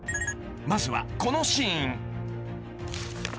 ［まずはこのシーン］